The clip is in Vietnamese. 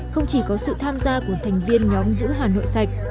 không chỉ có sự tham gia của thành viên nhóm giữ hà nội sạch